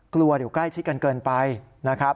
กลัวเดี๋ยวใกล้ชิดกันเกินไปนะครับ